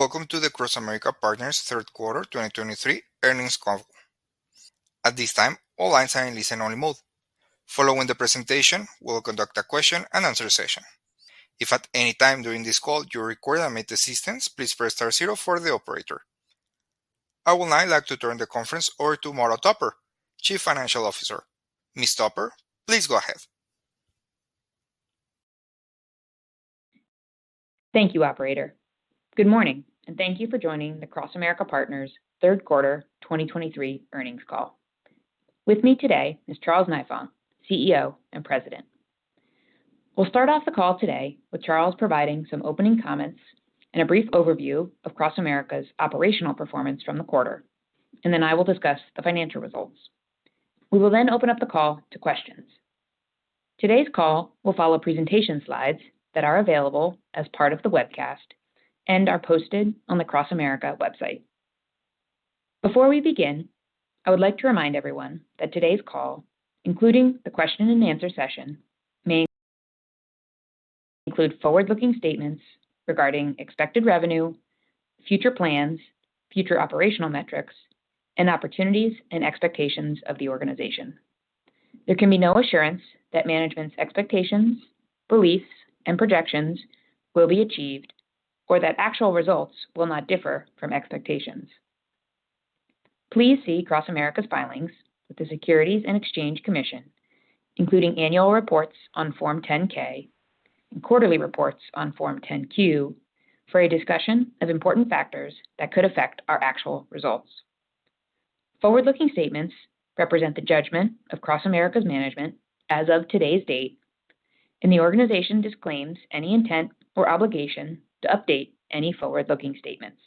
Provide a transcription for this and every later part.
Welcome to the CrossAmerica Partners Third Quarter 2023 Earnings Call. At this time, all lines are in listen-only mode. Following the presentation, we'll conduct a question-and-answer session. If at any time during this call you require immediate assistance, please press star zero for the operator. I would now like to turn the conference over to Maura Topper, Chief Financial Officer. Ms. Topper, please go ahead. Thank you, operator. Good morning, and thank you for joining the CrossAmerica Partners Third Quarter 2023 Earnings Call. With me today is Charles Nifong, CEO and President. We'll start off the call today with Charles providing some opening comments and a brief overview of CrossAmerica's operational performance from the quarter, and then I will discuss the financial results. We will then open up the call to questions. Today's call will follow presentation slides that are available as part of the webcast and are posted on the CrossAmerica website. Before we begin, I would like to remind everyone that today's call, including the question-and-answer session, may include forward-looking statements regarding expected revenue, future plans, future operational metrics, and opportunities and expectations of the organization. There can be no assurance that management's expectations, beliefs, and projections will be achieved or that actual results will not differ from expectations. Please see CrossAmerica's filings with the Securities and Exchange Commission, including annual reports on Form 10-K and quarterly reports on Form 10-Q, for a discussion of important factors that could affect our actual results. Forward-looking statements represent the judgment of CrossAmerica's management as of today's date, and the organization disclaims any intent or obligation to update any forward-looking statements.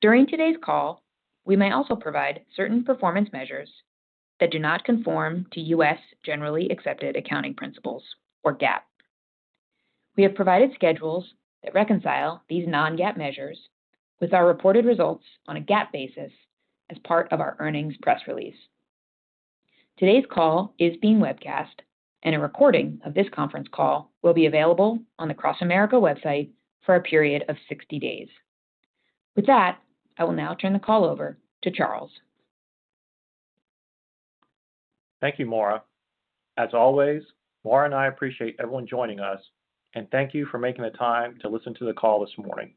During today's call, we may also provide certain performance measures that do not conform to U.S. generally accepted accounting principles, or GAAP. We have provided schedules that reconcile these non-GAAP measures with our reported results on a GAAP basis as part of our earnings press release. Today's call is being webcast, and a recording of this conference call will be available on the CrossAmerica website for a period of 60 days. With that, I will now turn the call over to Charles. Thank you, Maura. As always, Maura and I appreciate everyone joining us, and thank you for making the time to listen to the call this morning.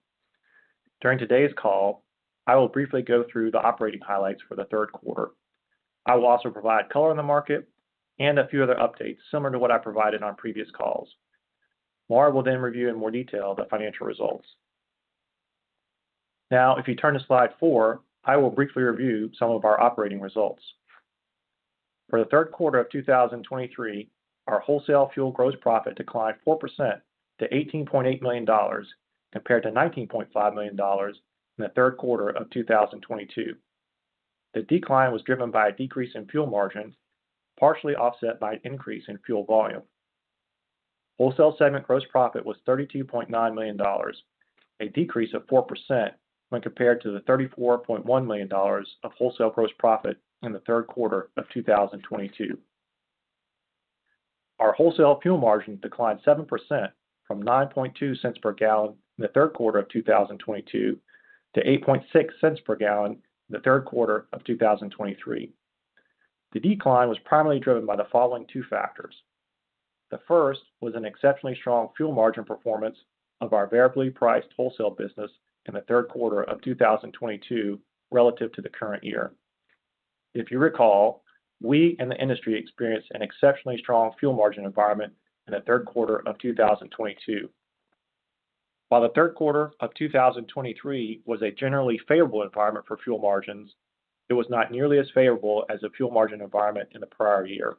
During today's call, I will briefly go through the operating highlights for the third quarter. I will also provide color on the market and a few other updates similar to what I provided on previous calls. Maura will then review in more detail the financial results. Now, if you turn to slide four, I will briefly review some of our operating results. For the third quarter of 2023, our wholesale fuel gross profit declined 4% to $18.8 million, compared to $19.5 million in the third quarter of 2022. The decline was driven by a decrease in fuel margins, partially offset by an increase in fuel volume. Wholesale segment gross profit was $32.9 million, a decrease of 4% when compared to the $34.1 million of wholesale gross profit in the third quarter of 2022. Our wholesale fuel margin declined 7% from $0.092 per gallon in the third quarter of 2022 to $0.086 per gallon in the third quarter of 2023. The decline was primarily driven by the following two factors: The first was an exceptionally strong fuel margin performance of our variably priced wholesale business in the third quarter of 2022 relative to the current year. If you recall, we and the industry experienced an exceptionally strong fuel margin environment in the third quarter of 2022. While the third quarter of 2023 was a generally favorable environment for fuel margins, it was not nearly as favorable as the fuel margin environment in the prior year.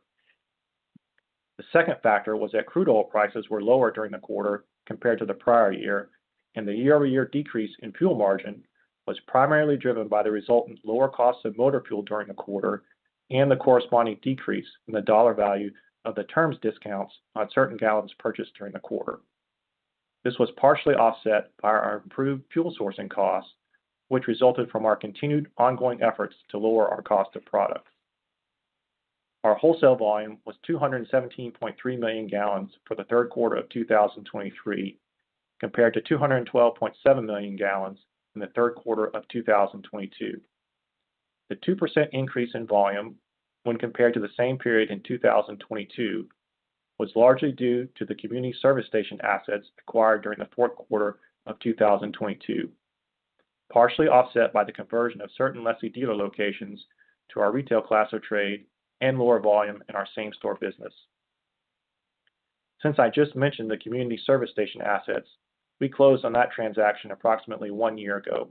The second factor was that crude oil prices were lower during the quarter compared to the prior year, and the year-over-year decrease in fuel margin was primarily driven by the resultant lower cost of motor fuel during the quarter and the corresponding decrease in the dollar value of the terms discounts on certain gallons purchased during the quarter. This was partially offset by our improved fuel sourcing costs, which resulted from our ongoing efforts to lower the cost of products. Our wholesale volume was 217.3 million gallons for the third quarter of 2023, compared to 212.7 million gallons in the third quarter of 2022. The 2% increase in volume when compared to the same period in 2022 was largely due to the Community Service Stations assets acquired during the fourth quarter of 2022, partially offset by the conversion of certain lessee dealer locations to our retail class of trade and lower volume in our same-store business. Since I just mentioned the Community Service Stations assets, we closed on that transaction approximately one year ago.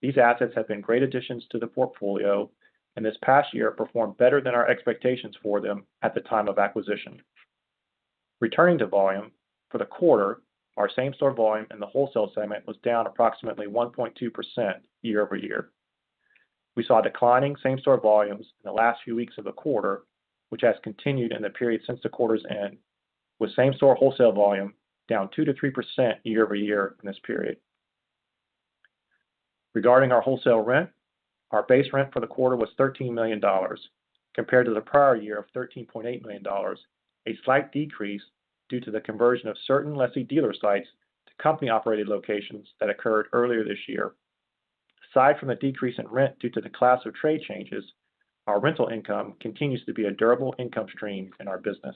These assets have been great additions to the portfolio and this past year performed better than our expectations for them at the time of acquisition. Returning to volume, for the quarter, our same-store volume in the wholesale segment was down approximately 1.2% year-over-year. We saw declining same-store volumes in the last few weeks of the quarter, which has continued in the period since the quarter's end, with same-store wholesale volume down 2%-3% year-over-year in this period. Regarding our wholesale rent, our base rent for the quarter was $13 million, compared to the prior year of $13.8 million, a slight decrease due to the conversion of certain lessee dealer sites to company-operated locations that occurred earlier this year. Aside from the decrease in rent due to the class of trade changes, our rental income continues to be a durable income stream in our business.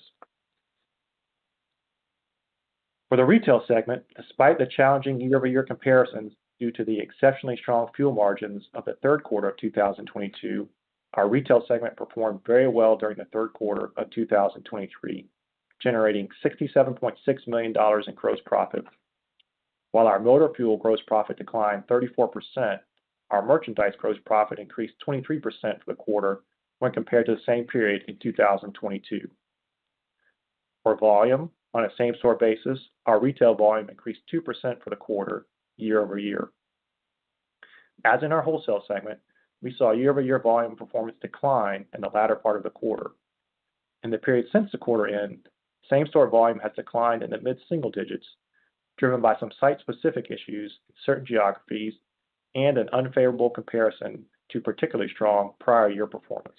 For the retail segment, despite the challenging year-over-year comparisons due to the exceptionally strong fuel margins of the third quarter of 2022, our retail segment performed very well during the third quarter of 2023, generating $67.6 million in gross profit. While our motor fuel gross profit declined 34%, our merchandise gross profit increased 23% for the quarter when compared to the same period in 2022. For volume, on a same-store basis, our retail volume increased 2% for the quarter, year over year. As in our wholesale segment, we saw year-over-year volume performance decline in the latter part of the quarter. In the period since the quarter end, same-store volume has declined in the mid-single digits, driven by some site-specific issues in certain geographies and an unfavorable comparison to particularly strong prior year performance.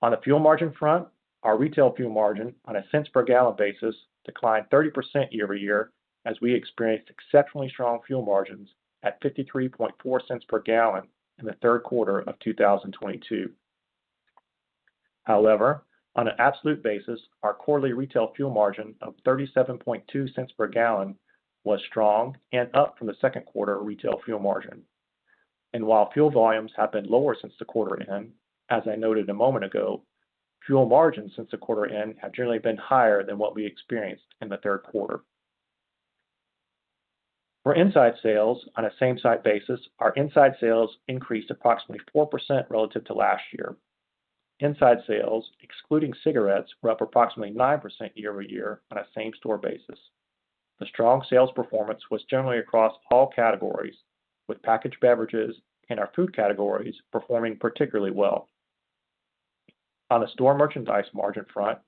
On a fuel margin front, our retail fuel margin on a cents per gallon basis declined 30% year-over-year, as we experienced exceptionally strong fuel margins at $0.534 per gallon in the third quarter of 2022. However, on an absolute basis, our quarterly retail fuel margin of $0.372 per gallon was strong and up from the second quarter retail fuel margin. And while fuel volumes have been lower since the quarter end, as I noted a moment ago, fuel margins since the quarter end have generally been higher than what we experienced in the third quarter. For inside sales on a same-site basis, our inside sales increased approximately 4% relative to last year. Inside sales, excluding cigarettes, were up approximately 9% year-over-year on a same-store basis. The strong sales performance was generally across all categories, with packaged beverages and our food categories performing particularly well. On a store merchandise margin front,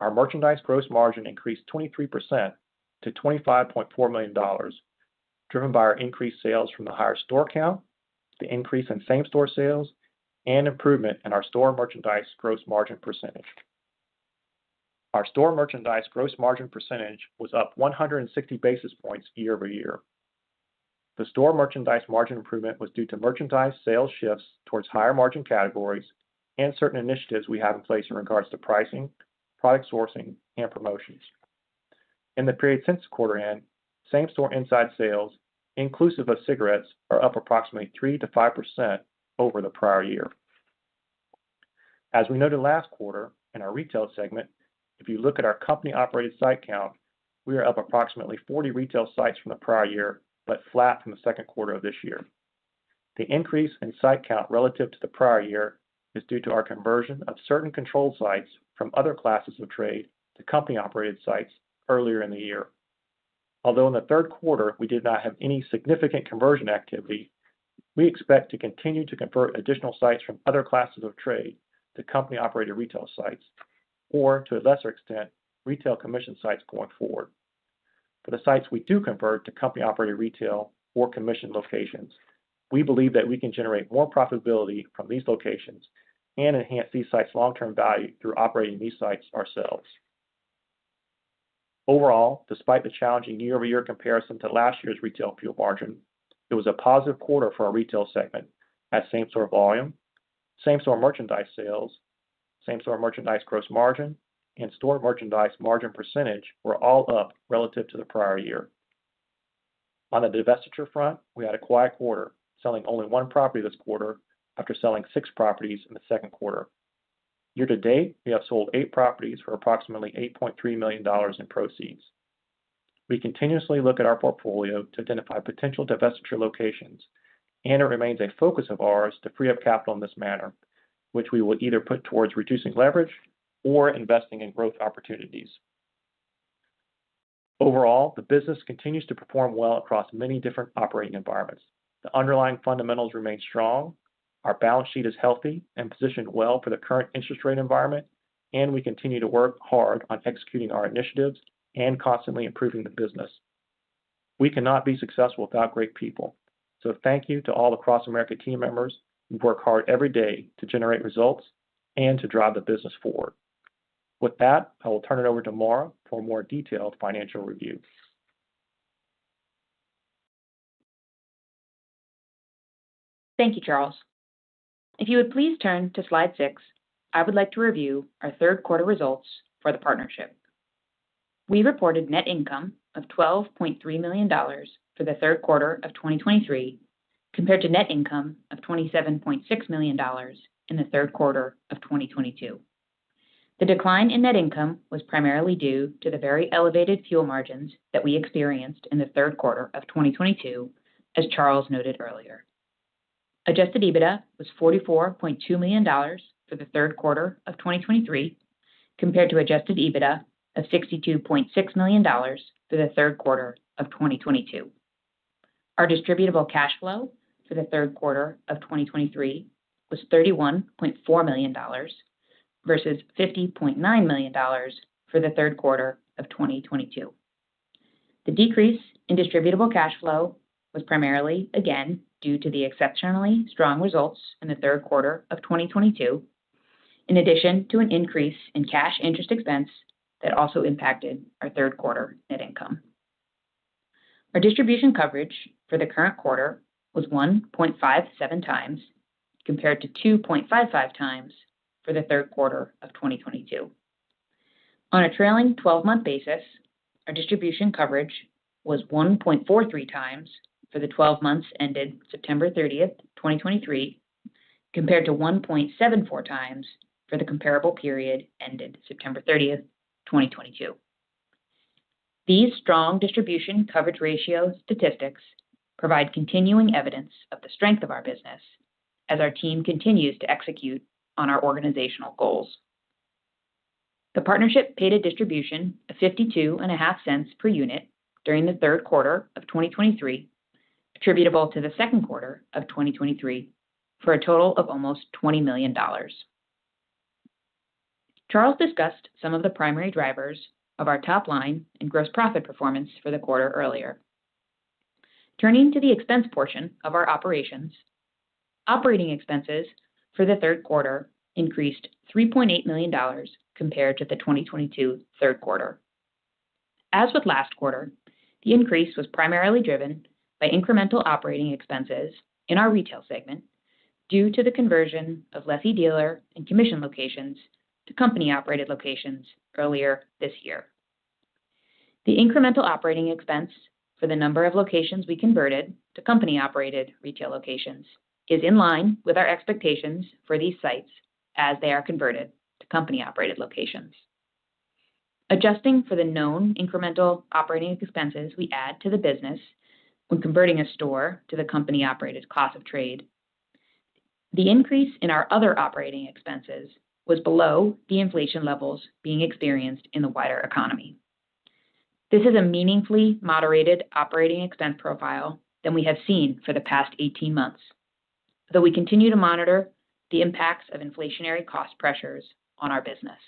our merchandise gross margin increased 23% to $25.4 million, driven by our increased sales from the higher store count, the increase in same-store sales, and the improvement in our store merchandise gross margin percentage. Our store merchandise gross margin percentage was up 160 basis points year-over-year. The store merchandise margin improvement was due to merchandise sales shifts towards higher-margin categories and certain initiatives we have in place regarding pricing, product sourcing, and promotions. In the period since the quarter end, same-store inside sales, inclusive of cigarettes, are up approximately 3%-5% over the prior year. As we noted last quarter in our retail segment, if you look at our company-operated site count, we are up approximately 40 retail sites from the prior year, but flat from the second quarter of this year. The increase in site count relative to the prior year is due to our conversion of certain controlled sites from other classes of trade to company-operated sites earlier in the year. Although in the third quarter we did not have any significant conversion activity, we expect to continue to convert additional sites from other classes of trade to company-operated retail sites or, to a lesser extent, retail commission sites going forward. For the sites we do convert to company-operated retail or commission locations, we believe that we can generate more profitability from these locations and enhance these sites' long-term value through operating these sites ourselves. Overall, despite the challenging year-over-year comparison to last year's retail fuel margin, it was a positive quarter for our retail segment as same-store volume, same-store merchandise sales, same-store merchandise gross margin, and store merchandise margin percentage were all up relative to the prior year. On the divestiture front, we had a quiet quarter, selling only one property this quarter after selling six properties in the second quarter. Year to date, we have sold eight properties for approximately $8.3 million in proceeds. We continuously look at our portfolio to identify potential divestiture locations, and it remains a focus of ours to free up capital in this manner, which we will either put towards reducing leverage or investing in growth opportunities. Overall, the business continues to perform well across many different operating environments. The underlying fundamentals remain strong, our balance sheet is healthy and positioned well for the current interest rate environment, and we continue to work hard on executing our initiatives and constantly improving the business. We cannot be successful without great people, so thank you to all CrossAmerica team members who work hard every day to generate results and to drive the business forward. With that, I will turn it over to Maura for a more detailed financial review. Thank you, Charles. If you would please turn to slide 6, I would like to review our third-quarter results for the partnership. We reported net income of $12.3 million for the third quarter of 2023, compared to net income of $27.6 million in the third quarter of 2022. The decline in net income was primarily due to the very elevated fuel margins that we experienced in the third quarter of 2022, as Charles noted earlier. Adjusted EBITDA was $44.2 million for the third quarter of 2023, compared to adjusted EBITDA of $62.6 million for the third quarter of 2022. Our distributable cash flow for the third quarter of 2023 was $31.4 million versus $50.9 million for the third quarter of 2022. The decrease in distributable cash flow was primarily, again, due to the exceptionally strong results in the third quarter of 2022, in addition to an increase in cash interest expense that also impacted our third quarter net income. Our distribution coverage for the current quarter was 1.57x, compared to 2.55x for the third quarter of 2022. On a trailing twelve-month basis, our distribution coverage was 1.43x for the twelve months ended September 30, 2023, compared to 1.74x for the comparable period ended September 30, 2022. These strong distribution coverage ratio statistics provide continuing evidence of the strength of our business as our team continues to execute on our organizational goals. The partnership paid a distribution of $0.525 per unit during the third quarter of 2023, attributable to the second quarter of 2023, for a total of almost $20 million. Charles discussed some of the primary drivers of our top line and gross profit performance for the quarter earlier. Turning to the expense portion of our operations, operating expenses for the third quarter increased $3.8 million compared to the 2022 third quarter. As with last quarter, the increase was primarily driven by incremental operating expenses in our retail segment due to the conversion of lessee dealer and commission locations to company-operated locations earlier this year. The incremental operating expense for the number of locations we converted to company-operated retail locations is in line with our expectations for these sites as they are converted to company-operated locations. Adjusting for the known incremental operating expenses we add to the business when converting a store to the company-operated class of trade, the increase in our other operating expenses was below the inflation levels being experienced in the wider economy. This is a meaningfully moderated operating expense profile than we have seen for the past 18 months, though we continue to monitor the impacts of inflationary cost pressures on our business.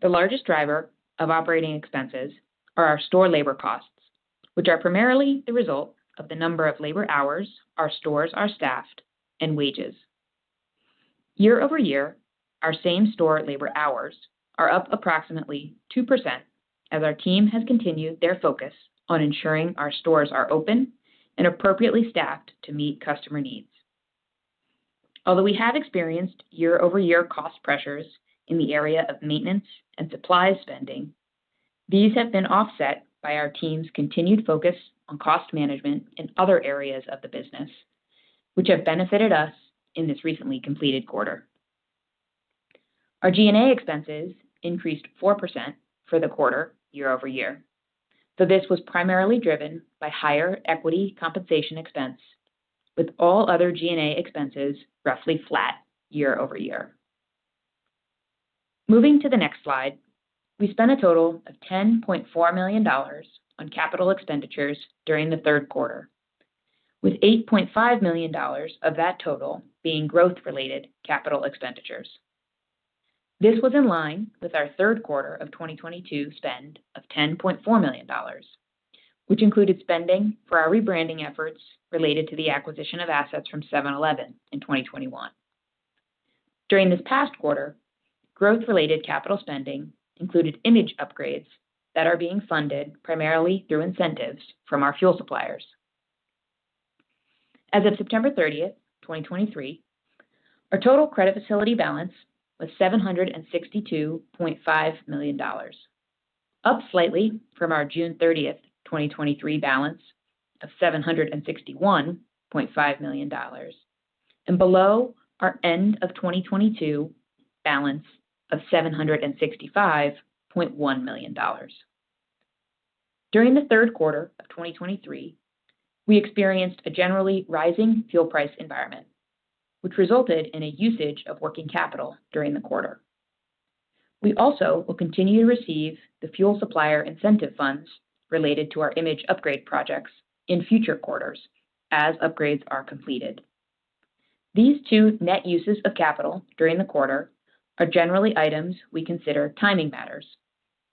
The largest driver of operating expenses is our store labor costs, which are primarily the result of the number of labor hours our stores are staffed and wages. Year-over-year, our same-store labor hours are up approximately 2% as our team has continued its focus on ensuring our stores are open and appropriately staffed to meet customer needs. Although we have experienced year-over-year cost pressures in the area of maintenance and supply spending, these have been offset by our team's continued focus on cost management in other areas of the business, which has benefited us in this recently completed quarter. Our G&A expenses increased 4% for the quarter year over year, so this was primarily driven by higher equity compensation expense, with all other G&A expenses roughly flat year over year. Moving to the next slide, we spent a total of $10.4 million on capital expenditures during the third quarter, with $8.5 million of that total being growth-related capital expenditures. This was in line with our third quarter of 2022 spend of $10.4 million, which included spending for our rebranding efforts related to the acquisition of assets from 7-Eleven in 2021. During this past quarter, growth-related capital spending included image upgrades that are being funded primarily through incentives from our fuel suppliers. As of September 30, 2023, our total credit facility balance was $762.5 million, up slightly from our June 30, 2023, balance of $761.5 million, and below our end of 2022 balance of $765.1 million. During the third quarter of 2023, we experienced a generally rising fuel price environment, which resulted in the use of working capital during the quarter. We will also continue to receive the fuel supplier incentive funds related to our image upgrade projects in future quarters as upgrades are completed. These two net uses of capital during the quarter are generally items we consider timing matters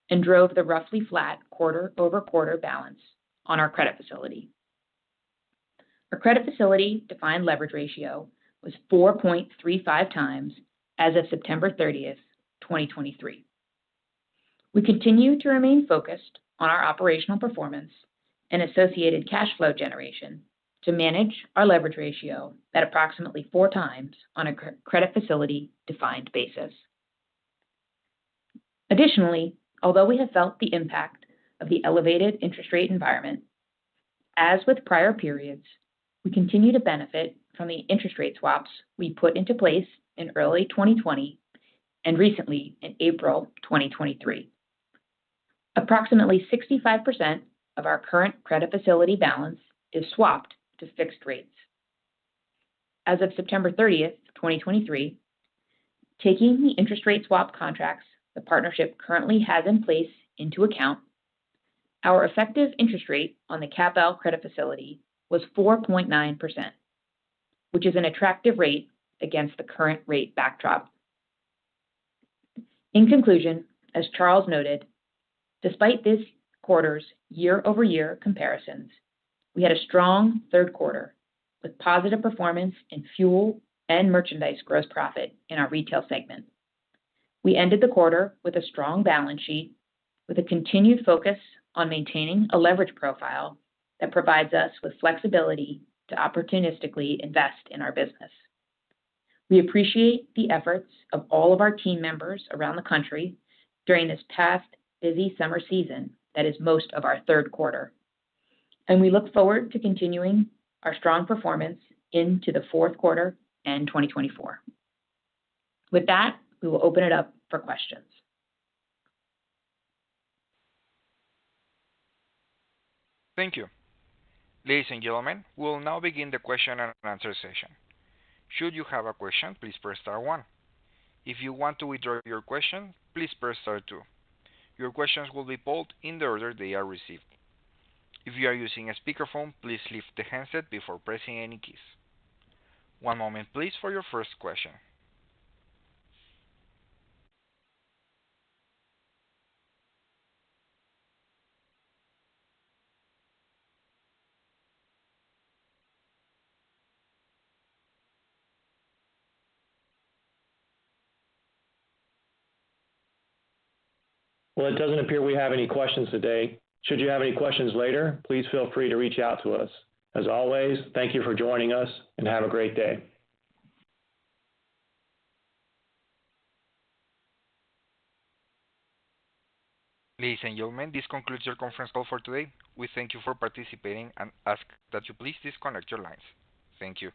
and drove the roughly flat quarter-over-quarter balance on our credit facility. Our credit facility defined leverage ratio was 4.35x as of September 30, 2023. We continue to remain focused on our operational performance and associated cash flow generation to manage our leverage ratio at approximately 4x on a credit facility defined basis. Additionally, although we have felt the impact of the elevated interest rate environment, as with prior periods, we continue to benefit from the interest rate swaps we put into place in early 2020 and recently in April 2023. Approximately 65% of our current credit facility balance is swapped to fixed rates. As of September 30, 2023. Taking the interest rate swap contracts the partnership currently has in place into account, our effective interest rate on the CAPL credit facility was 4.9%, which is an attractive rate against the current rate backdrop. In conclusion, as Charles noted, despite this quarter's year-over-year comparisons, we had a strong third quarter, with positive performance in fuel and merchandise gross profit in our retail segment. We ended the quarter with a strong balance sheet, with a continued focus on maintaining a leverage profile that provides us with flexibility to opportunistically invest in our business. We appreciate the efforts of all of our team members around the country during this past busy summer season, which is most of our third quarter, and we look forward to continuing our strong performance into the fourth quarter and 2024. With that, we will open it up for questions. Thank you. Ladies and gentlemen, we will now begin the question-and-answer session. Should you have a question, please press star one. If you want to withdraw your question, please press star two. Your questions will be polled in the order they are received. If you are using a speakerphone, please lift the handset before pressing any keys. One moment, please, for your first question. Well, it doesn't appear we have any questions today. Should you have any questions later, please feel free to reach out to us. As always, thank you for joining us, and have a great day. Ladies and gentlemen, this concludes your conference call for today. We thank you for participating and ask that you please disconnect your lines. Thank you.